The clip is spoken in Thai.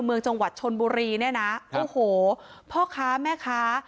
เมืองจังหวัดชนบุรีเนี่ยนะโอ้โหพ่อค้าแม่ค้า